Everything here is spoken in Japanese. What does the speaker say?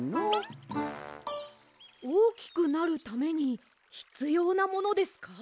おおきくなるためにひつようなものですか？